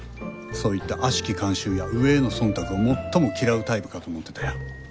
そういったあしき慣習や上への忖度を最も嫌うタイプかと思ってたよ。